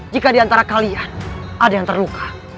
jika diantara kalian ada yang terluka